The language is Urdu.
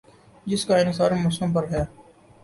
جس کا انحصار موسم پر ہے ۔